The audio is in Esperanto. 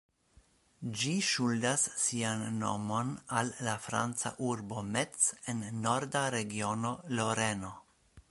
Ĝi ŝuldas sian nomon al la franca urbo Metz en norda regiono Loreno.